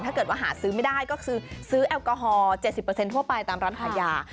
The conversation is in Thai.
ถ้าเกิดว่าหาซื้อไม่ได้ก็คือซื้อแอลกอฮอล๗๐ทั่วไปตามร้านขายา